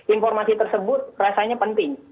informasi tersebut rasanya penting